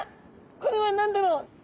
これは何だろう？